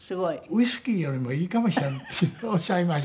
「ウイスキーよりもいいかもしらん」っておっしゃいました。